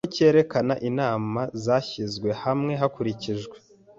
kuko cyerekana inama zashyizwe hamwe hakurikijwe